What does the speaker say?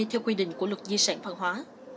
theo quy định của luật di sản văn hóa